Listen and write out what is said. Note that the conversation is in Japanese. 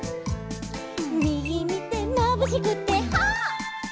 「みぎみてまぶしくてはっ」